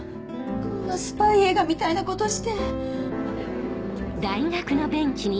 こんなスパイ映画みたいなことして。